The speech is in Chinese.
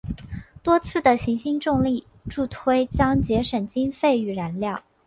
多次的行星重力助推将节省经费与燃料。